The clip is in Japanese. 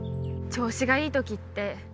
調子がいい時って